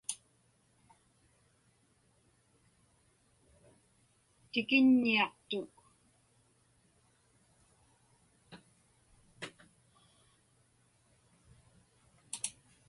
Tikiññiaqtuk.